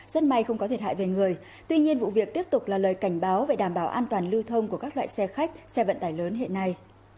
rất may không có thiệt hại về người tuy nhiên vụ việc tiếp tục là lời cảnh báo về đảm bảo an toàn lưu thông của các loại xe khách xe vận tải lớn hiện nay